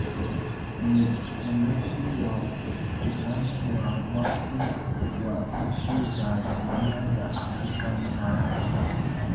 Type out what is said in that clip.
mwenyeji wa mkutano wa wakuu wa nchi za jumuia ya Afrika mashariki